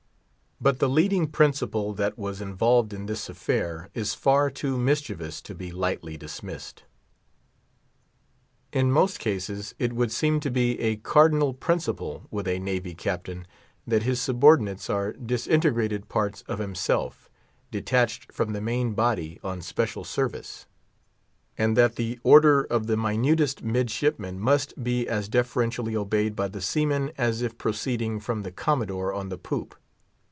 But the leading principle that was involved in this affair is far too mischievous to be lightly dismissed. In most cases, it would seem to be a cardinal principle with a Navy Captain that his subordinates are disintegrated parts of himself, detached from the main body on special service, and that the order of the minutest midshipman must be as deferentially obeyed by the seamen as if proceeding from the Commodore on the poop.